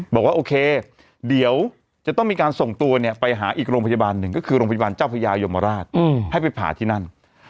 บอกว่าโอเคเดี๋ยวจะต้องมีการส่งตัวเนี่ยไปหาอีกโรงพยาบาลหนึ่งก็คือโรงพยาบาลเจ้าพญายมราชให้ไปผ่าที่นั่น